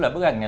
là bức ảnh này